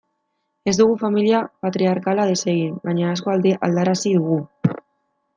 Ez dugu familia patriarkala desegin, baina asko aldarazi dugu.